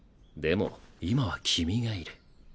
でも今は君がいる。